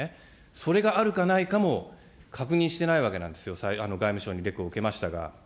それがあるかないかも確認してないわけなんですよ、外務省にレクを受けましたが。